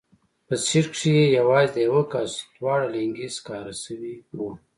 په سيټ کښې يې يوازې د يوه کس دواړه لينگي سکاره سوي وو.